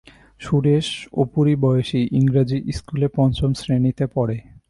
সুরেশ অপুরই বয়সি, ইংরাজি স্কুলের পঞ্চম শ্রেণীতে পড়ে।